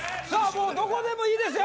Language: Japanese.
もうどこでもいいですよ